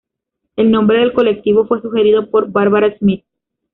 El nombre del colectivo fue sugerido por Barbara Smith.